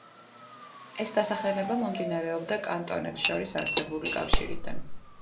ეს დასახელება მომდინარეობდა კანტონებს შორის არსებულ კავშირიდან.